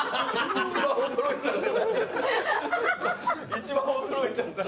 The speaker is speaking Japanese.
一番驚いちゃってた。